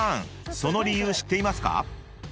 ［その理由知っていますか？］